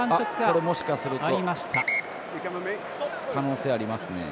これ、もしかすると可能性ありますね。